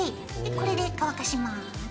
これで乾かします。